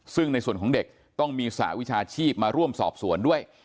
ซึ่งในส่วนของเด็กต้องมีสหวิชาชีพมาร่วมสอบสวนด้วย